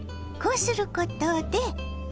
こうすることで。